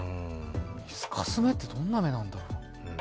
見透かす目って、どんな目なんだろう。